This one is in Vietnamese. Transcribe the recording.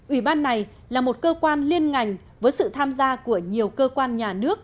ủy ban này là một cơ quan liên ngành với sự tham gia của nhiều cơ quan nhà nước